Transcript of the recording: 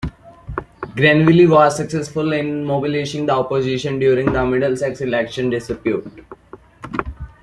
Grenville was successful in mobilising the opposition during the Middlesex election dispute.